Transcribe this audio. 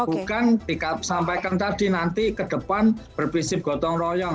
bukan sampaikan tadi nanti ke depan berprinsip gotong royong